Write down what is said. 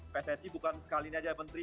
pssi bukan sekalian aja menteri